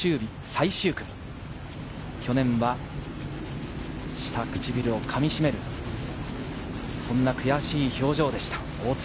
最終組、去年は下唇をかみしめるそんな悔しい表情でした大槻。